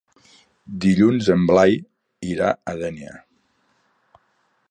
Dilluns en Blai irà a Dénia.